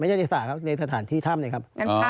ไม่ได้ยนติศาน้ำครับในสถานที่ถ้ำนะครับ